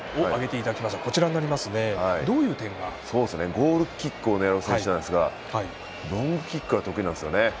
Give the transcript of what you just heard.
ゴールキックを狙う選手なんですがロングキックが得意なんですよね。